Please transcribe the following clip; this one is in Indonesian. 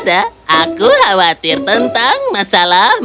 tidak ada aku khawatir tentang masalahmu